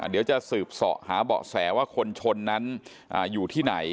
เดี๋ยวจะสืบเสาะหาเบาะแสว่าคนชนนั้นอยู่ที่ไหน